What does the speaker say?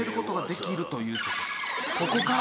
「ここから！」